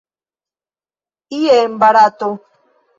Ie en Barato.